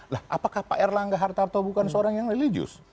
lah apakah pak erlangga hartarto bukan seorang yang religius